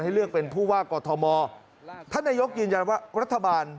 เลือกเป็นผู้ว่ากอทมท่านนายกยืนยันว่ารัฐบาล